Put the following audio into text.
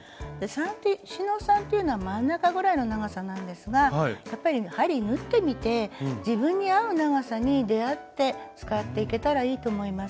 四ノ三というのは真ん中ぐらいの長さなんですがやっぱり針縫ってみて自分に合う長さに出会って使っていけたらいいと思います。